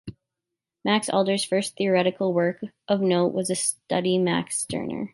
Max Adler's first theoretical work of note was a study Max Stirner.